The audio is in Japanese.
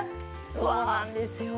そうなんですよ。